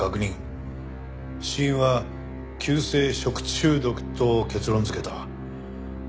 死因は急性食中毒と結論づけた。